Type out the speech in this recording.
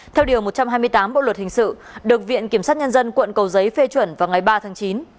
theo điều một trăm hai mươi tám bộ luật hình sự được viện kiểm sát nhân dân quận cầu giấy phê chuẩn vào ngày ba tháng chín